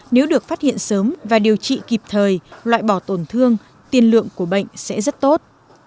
nếu được phát hiện sớm và điều trị kịp thời loại bỏ tổn thương tiền lượng của bệnh sẽ rất tốt